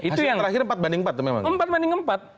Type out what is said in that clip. hasil terakhir empat banding empat itu memang